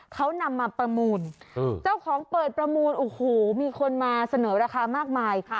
เขานำมาประมูลเจ้าของเปิดประมูลโอ้โหมีคนมาเสนอราคามากมาย